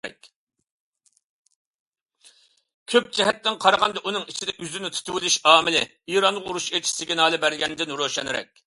كۆپ جەھەتتىن قارىغاندا، ئۇنىڭ ئىچىدە ئۆزىنى تۇتۇۋېلىش ئامىلى ئىرانغا ئۇرۇش قىلىش سىگنالى بەرگەندىن روشەنرەك.